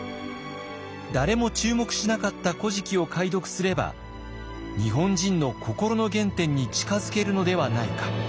誰も注目しなかった「古事記」を解読すれば日本人の心の原点に近づけるのではないか。